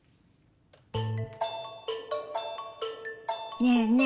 ねえねえ